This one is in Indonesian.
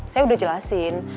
saya udah jelasin